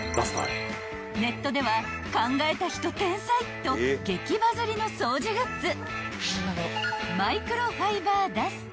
［ネットでは「考えた人天才！」と激バズりの掃除グッズ］